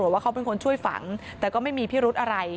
ว่าเขาเป็นคนช่วยฝังแต่ก็ไม่มีพิรุธอะไร